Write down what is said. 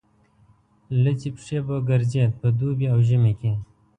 لوڅې پښې به ګرځېد په دوبي او ژمي کې.